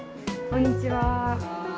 こんにちは。